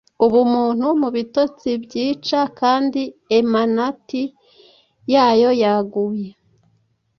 Ubumuntu mubitotsi byica Kandi Emanati yayo yaguye,